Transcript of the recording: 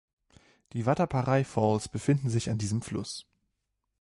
Die Vattaparai Falls befinden sich an diesem Fluss.